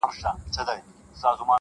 هغه ځان بدل کړی دی ډېر-